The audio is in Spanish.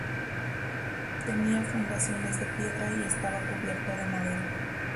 Tenía fundaciones de piedra y estaba cubierto de madera.